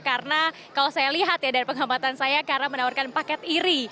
karena kalau saya lihat ya dari pengamatan saya karena menawarkan paket iri